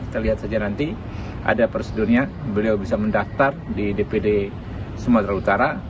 kita lihat saja nanti ada prosedurnya beliau bisa mendaftar di dpd sumatera utara